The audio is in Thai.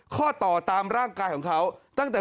ข้อต่อตามร่างกายของเขาตั้งแต่